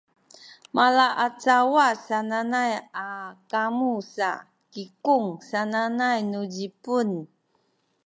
malaacawa sananay a kamu sa “kikung” sananay nu Zipun